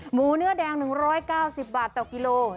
หมูเนื้อแดง๑๙๐บาทต่อกิโล